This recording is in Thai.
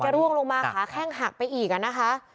ใช่เดี๋ยวก็ล่วงลงมาค่ะแข้งหักไปอีกอ่ะนะคะ